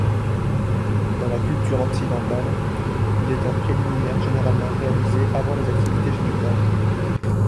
Dans la culture occidentale, il est un préliminaire généralement réalisé avant les activités génitales.